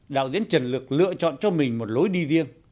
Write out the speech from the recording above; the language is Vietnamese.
đạo diễn trần lực lựa chọn cho mình một lối đi riêng